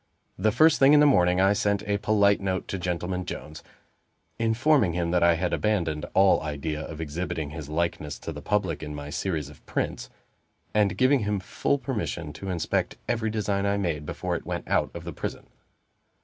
The first thing in the morning I sent a polite note to Gentleman Jones, informing him that I had abandoned all idea of exhibiting his likeness to the public in my series of prints, and giving him full permission to inspect every design I made before it went out of the prison.